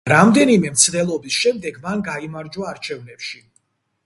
რამდენიმე მცდელობის შემდეგ მან გაიმარჯვა არჩევნებში.